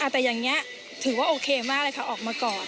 แต่อย่างนี้ถือว่าโอเคมากเลยค่ะออกมาก่อน